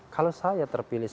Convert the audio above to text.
kalau saya terpilih